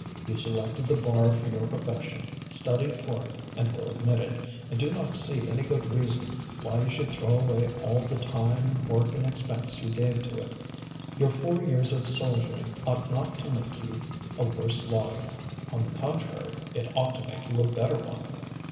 You selected the bar for your profession, studied for it and were admitted. I do not see any good reason why you should throw away all the time, work, and expense you gave to it. Your four years of soldiering ought not to make you a worse lawyer, on the contrary, it ought to make you a better one."